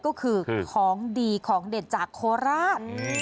ก็คือของดีของเด็ดจากโคราช